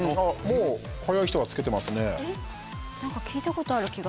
もう早い人はつけてますね。